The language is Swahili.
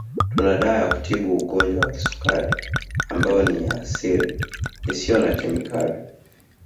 Tuna dawa ya kutibu Ugonjwa wa Kisukari ambayo ni ya asili isiyo na kemikali